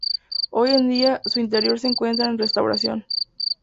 Hoy en día, su interior se encuentra en restauración.